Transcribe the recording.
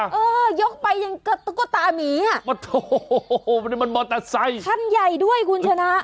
เออยกไปอย่างกับตุ๊กตาหมีฮะมันมันตัดใสขั้นใหญ่ด้วยคุณชนะ